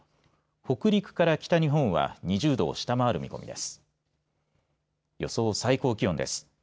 北陸から北日本は２０度を下回る見込みです。